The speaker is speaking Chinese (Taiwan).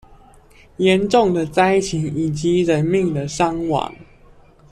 嚴重的災情以及人命的傷亡